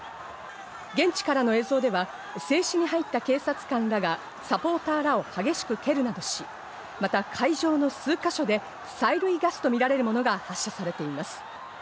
現地からの映像では制止に入った警察官らがサポーターらを激しく蹴るなどし、また会場の数ヶ所で催涙ガスとみられるものが発射されています。